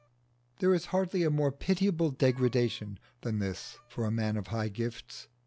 There is hardly a more pitiable degradation than this for a man of high gifts.